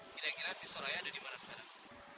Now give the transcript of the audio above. kira kira siswa ayah ada dimana sekarang